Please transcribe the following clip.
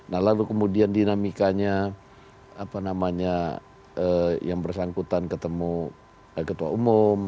nah lalu kemudian dinamikanya apa namanya yang bersangkutan ketemu ketua umum